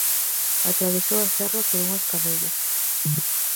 Atravesou a serra por unhas canellas.